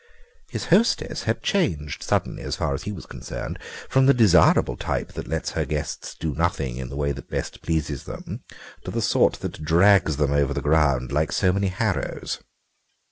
His hostess had changed suddenly, as far as he was concerned, from the desirable type that lets her guests do nothing in the way that best pleases them, to the sort that drags them over the ground like so many harrows.